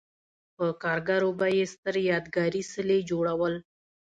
په کارګرو به یې ستر یادګاري څلي جوړول